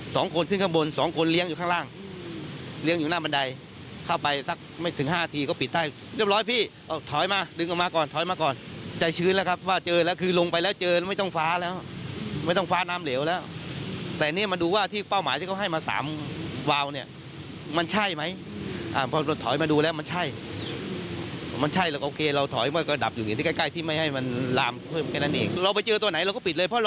สองคนขึ้นข้างบนสองคนเลี้ยงอยู่ข้างล่างเลี้ยงอยู่หน้าบันไดเข้าไปสักไม่ถึงห้าทีก็ปิดให้เรียบร้อยพี่ถอยมาดึงออกมาก่อนถอยมาก่อนใจชื้นแล้วครับว่าเจอแล้วคือลงไปแล้วเจอแล้วไม่ต้องฟ้าแล้วไม่ต้องฟ้าน้ำเหลวแล้วแต่เนี่ยมาดูว่าที่เป้าหมายที่เขาให้มาสามวาวเนี่ยมันใช่ไหมพอถอยมาดูแล้วมันใช่มันใช่แล้วโอ